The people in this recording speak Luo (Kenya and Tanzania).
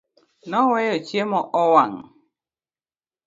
Noweyo chiemo owang'